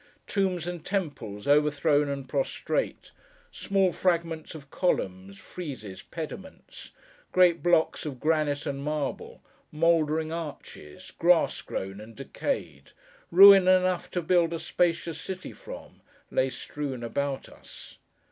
Tombs and temples, overthrown and prostrate; small fragments of columns, friezes, pediments; great blocks of granite and marble; mouldering arches, grass grown and decayed; ruin enough to build a spacious city from; lay strewn about us.